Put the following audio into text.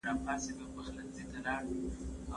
دیوالونه د ملا د رازونو پټ ساتونکي دي.